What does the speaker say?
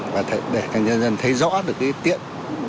và để cho nhân dân thấy rõ được cái tiện